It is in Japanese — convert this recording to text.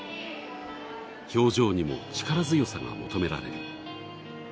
表情にも力強さが求められる。